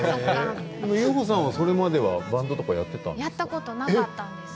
遊穂さんは、それまではバンドとかやっていたんですか。